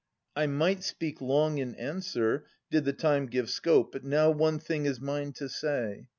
I might speak long in answer, did the time Give scope, but now one thing is mine to say.